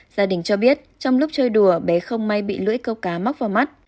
gia đình cho biết trong lúc chơi đùa bé không may bị lưỡi câu cá mắc vào mắt